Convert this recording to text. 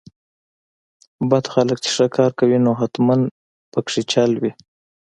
بد خلک چې ښه کار کوي نو حتماً پکې چل وي.